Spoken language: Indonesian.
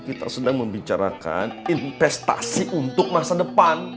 kita sedang membicarakan investasi untuk masa depan